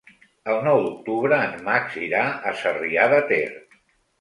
El nou d'octubre en Max irà a Sarrià de Ter.